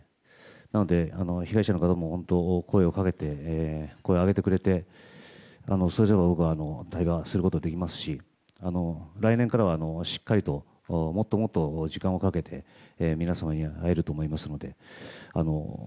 なので、被害者の方も本当に声を上げてくれてそれぞれと対話することができますし来年からはしっかりともっともっと時間をかけて皆様に会えると思いますので。